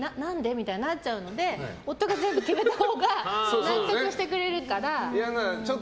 みたいになっちゃうので夫が全部決めたほうが納得してくれるから。